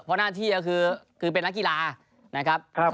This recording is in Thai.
เพราะหน้าที่ก็คือเป็นนักกีฬานะครับ